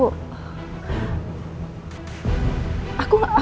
helena lepas dari andin dan alva